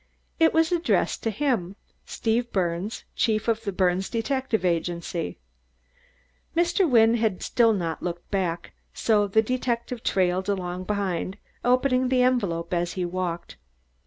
It was addressed to him Steve Birnes, Chief of the Birnes Detective Agency. Mr. Wynne had still not looked back, so the detective trailed along behind, opening the envelope as he walked.